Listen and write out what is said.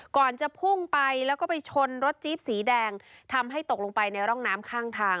ก่อนจะพุ่งไปแล้วก็ไปชนรถจี๊บสีแดงทำให้ตกลงไปในร่องน้ำข้างทาง